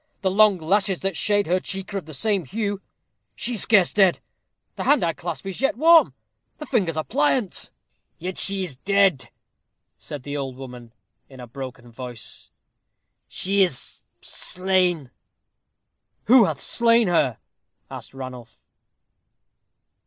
The long lashes that shade her cheek are of the same hue. She is scarce dead. The hand I clasp is yet warm the fingers are pliant." "Yet she is dead," said the old woman, in a broken voice, "she is slain." "Who hath slain her?" asked Ranulph.